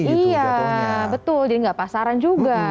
iya betul jadi nggak pasaran juga